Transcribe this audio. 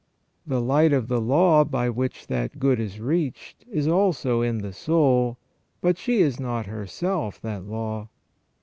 The light of the law by which that good is reached is also in the soul, but she is not herself that law.